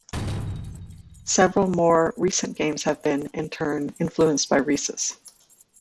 Several more recent games have been, in turn, influenced by Risus.